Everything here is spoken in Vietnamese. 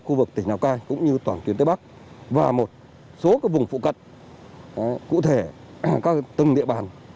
khu vực tỉnh lào cai cũng như toàn tuyến tây bắc và một số vùng phụ cận cụ thể ở các từng địa bàn